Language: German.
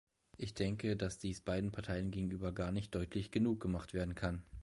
Ich denke, dass dies beiden Parteien gegenüber gar nicht deutlich genug gemacht werden kann.